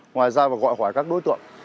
ngoài ra và gọi khỏi các đối tượng